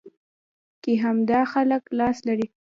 کې همدا خلک لاس لري.